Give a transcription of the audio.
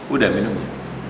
udah minum ya